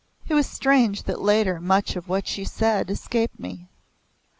It was strange that later much of what she said, escaped me.